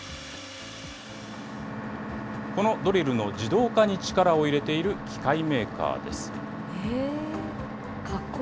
このドリルの自動化に力を入れている機械メーカーです。